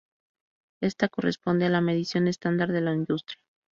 Esta corresponde a la medición estándar de la industria.